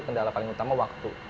kendala paling utama waktu